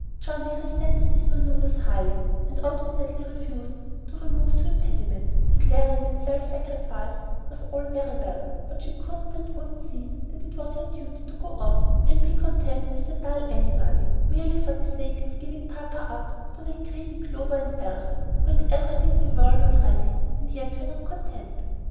Johnnie resented these manoeuvres highly, and obstinately refused to "remove the impediment," declaring that self sacrifice was all very well, but she couldn't and wouldn't see that it was her duty to go off and be content with a dull anybody, merely for the sake of giving papa up to that greedy Clover and Elsie, who had everything in the world already and yet were not content.